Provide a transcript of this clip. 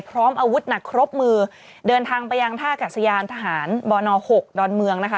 พร้อมอาวุธหนักครบมือเดินทางไปยังท่ากัศยานทหารบน๖ดอนเมืองนะคะ